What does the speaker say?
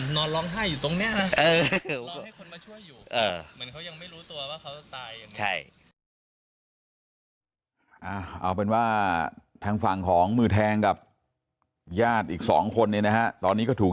นอนร้องไห้อยู่ตรงนี้นะร้องให้คนมาช่วยอยู่